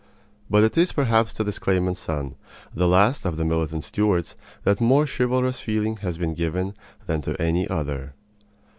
But it is perhaps to this claimant's son, the last of the militant Stuarts, that more chivalrous feeling has been given than to any other.